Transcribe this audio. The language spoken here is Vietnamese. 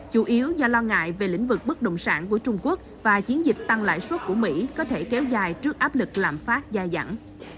chủ yếu do lo ngại về lĩnh vực bất động sản của trung quốc và chiến dịch tăng lãi suất của mỹ có thể kéo dài trước áp lực lạm phát dai dẳng